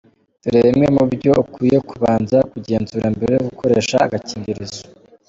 Dore bimwe mu byo ukwiye kubanza kugenzura mbere yo gukoresha agakingirizo:.